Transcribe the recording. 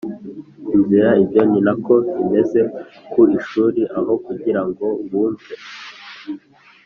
inzira Ibyo ni na ko bimeze ku ishuri Aho kugira ngo wumve